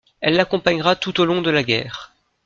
Elle l'accompagnera tout au long de la guerre.